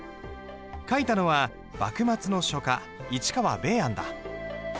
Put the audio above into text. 書いたのは幕末の書家市河米庵だ。